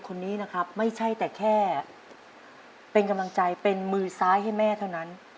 คนนี้นะครับไม่ใช่แต่แค่เป็นกำลังใจเป็นมือซ้ายให้แม่เท่านั้น